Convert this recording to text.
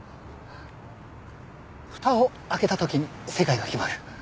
蓋を開けた時に世界が決まる。